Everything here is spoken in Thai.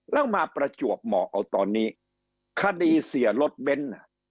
แล้วมาประจวบเหมาะเอาตอนนี้คดีเสียรถเบ้น